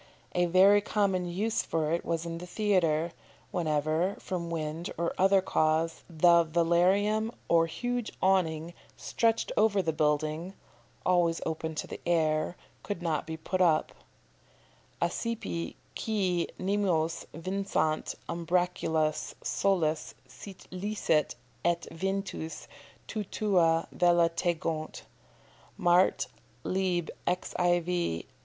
A very common use for it was in the theatre, whenever, from wind or other cause, the velarium or huge awning stretched over the building (always open to the air) could not be put up: "Accipe quæ nimios vincant umbracula soles, Sit licet, et ventus, te tua vela tegont." Mart., lib. xiv.